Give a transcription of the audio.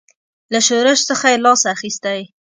له شورش څخه یې لاس اخیستی.